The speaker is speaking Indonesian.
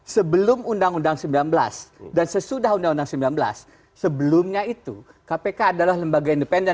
sebelum undang undang sembilan belas dan sesudah undang undang sembilan belas sebelumnya itu kpk adalah lembaga independen